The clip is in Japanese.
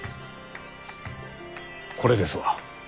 これですわ。